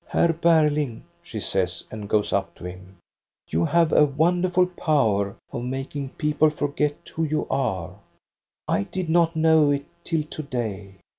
"Herr Berling, she says, and goes up to him, " you have a wonderful power of making people for get who you are. I did not know it till to day.